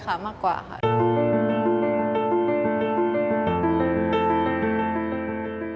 ขอบคุณค่ะสวัสดีค่ะ